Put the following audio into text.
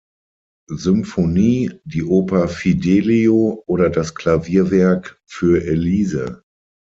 Symphonie, die Oper Fidelio, oder das Klavierwerk Für Elise.